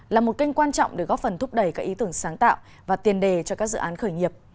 là một kênh quan trọng để góp phần thúc đẩy các ý tưởng sáng tạo và tiền đề cho các dự án khởi nghiệp